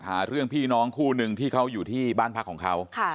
หาเรื่องพี่น้องคู่นึงที่เขาอยู่ที่บ้านพักของเขา